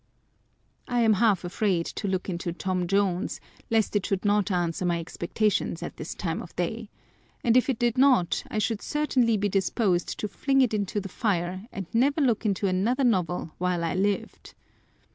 I am half afraid to look into Tom Jones, lest it should not answer my expectations at this time of day ; and if it did not, I should certainly be disposed to fling it into the fire, and never look into another novel while I lived.